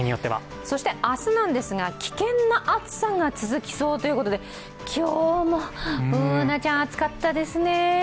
そして明日なんですが、危険な暑さが続きそうということで、今日もＢｏｏｎａちゃん、暑かったですね。